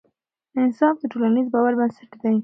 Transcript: انصاف د ټولنیز باور بنسټ دی